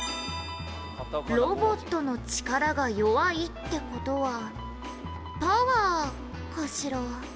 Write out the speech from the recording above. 「ロボットの力が弱いって事はパワーかしら？」